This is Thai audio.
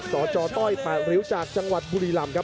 สจต้อย๘ริ้วจากจังหวัดบุรีรำครับ